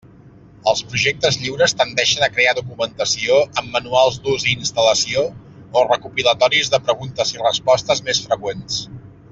Els projectes lliures tendeixen a crear documentació amb manuals d'ús i instal·lació o recopilatoris de preguntes i respostes més freqüents.